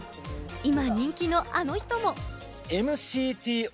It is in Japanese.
今人気のあの人も！